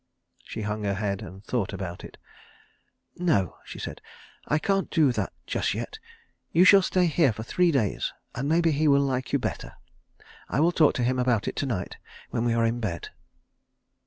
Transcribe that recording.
She hung her head, and thought about it. "No," she said, "I can't do that just yet. You shall stay here for three days, and maybe he will like you better. I will talk to him about it to night when we are in bed."